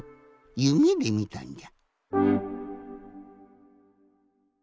夢でみたんじゃ。